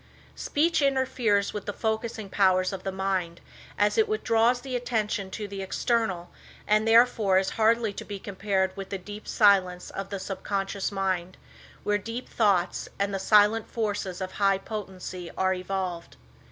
Speech interferes with the focusing powers of the mind, as it withdraws the attention to the external and therefore is hardly to be compared with that deep silence of the subconscious mind, where deep thoughts, and the silent forces of high potency are evolved.